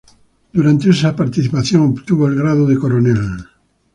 Durante esa participación obtuvo el grado de coronel.